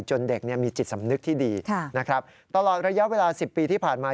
เด็กมีจิตสำนึกที่ดีนะครับตลอดระยะเวลา๑๐ปีที่ผ่านมา